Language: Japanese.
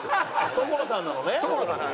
所さんなのね。